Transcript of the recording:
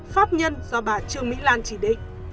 pháp nhân do bà trương mỹ lan chỉ định